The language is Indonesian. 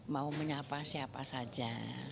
mau menyapa siapa saja